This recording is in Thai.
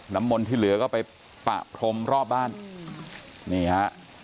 น้ำมนต์ที่เหลือก็ไปปะพรมรอบบ้านนี่ฮะ